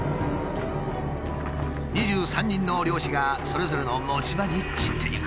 ２３人の猟師がそれぞれの持ち場に散っていく。